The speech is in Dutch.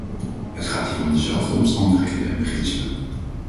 Het gaat hier om dezelfde omstandigheden en beginselen.